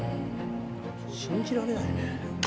信じられないね。